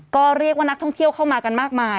ก็เรียกว่านักท่องเที่ยวเข้ามากันมากมาย